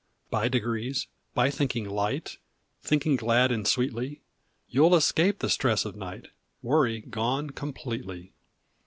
By degrees, by thinking light, Thinking glad and sweetly, You ll escape the stress of night ? Worry gone completely.